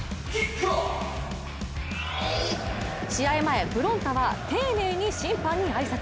試合前、ふろん太は丁寧に審判に挨拶。